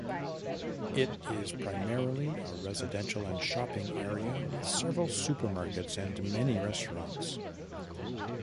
It is primarily a residential and shopping area, with several supermarkets and many restaurants.